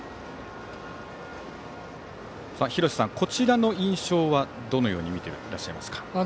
廣瀬さん、こちらの印象はどのように見ていらっしゃいますか。